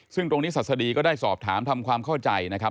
ซึ่งตรงนี้ศัษฎีก็ได้สอบถามทำความเข้าใจนะครับ